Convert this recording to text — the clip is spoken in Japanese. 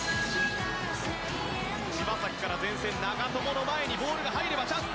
柴崎から前線、長友の前にボールが入ればチャンス。